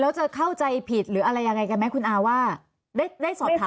แล้วจะเข้าใจผิดหรืออะไรยังไงกันไหมคุณอาว่าได้สอบถาม